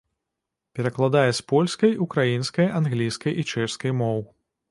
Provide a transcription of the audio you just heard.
Перакладае з польскай, украінскай, англійскай і чэшскай моў.